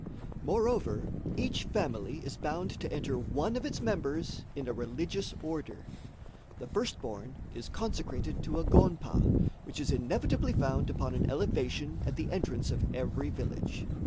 Moreover, each family is bound to enter one of its members in a religious order. The firstborn is consecrated to a gonpa, which is inevitably found upon an elevation, at the entrance of every village.